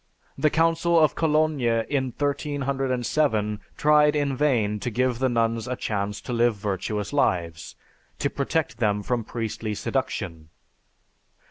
The Council of Cologne, in 1307, tried in vain to give the nuns a chance to live virtuous lives; to protect them from priestly seduction.